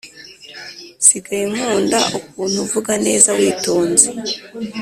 sigaye nkunda ukuntu uvuga neza witonze